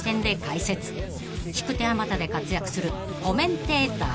［引く手あまたで活躍するコメンテーター］